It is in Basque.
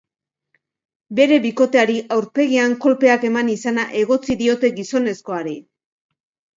Bere bikoteari aurpegian kolpeak eman izana egotzi diote gizonezkoari.